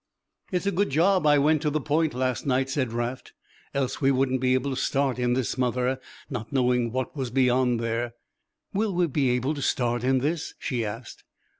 "It's a good job I went to the point last night," said Raft, "else we wouldn't be able to start in this smother, not knowing what was beyond there." "Will we be able to start in this?" she asked.